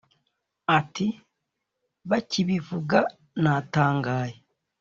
Ati “Bakibivuga natangaye